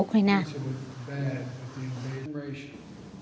ông biden đã gặp tổng thống zelensky